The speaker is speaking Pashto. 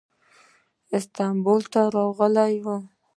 استانبول ته راغلی و.